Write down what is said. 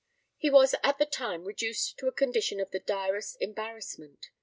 He was at the time reduced to a condition of the direst embarrassment.